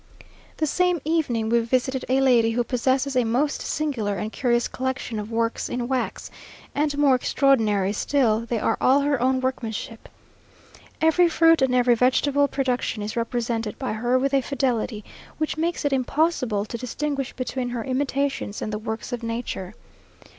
The same evening, we visited a lady who possesses a most singular and curious collection of works in wax; and more extraordinary still, they are all her own workmanship. Every fruit and every vegetable production is represented by her with a fidelity, which makes it impossible to distinguish between her imitations and the works of nature.